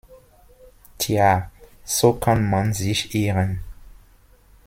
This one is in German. Tja, so kann man sich irren.